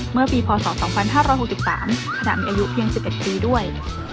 เมื่อปีพศสองพันห้าร้อยหกสิบสามขนาดมีอายุเพียงสิบเอ็ดปีด้วย